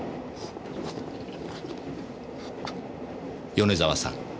米沢さん。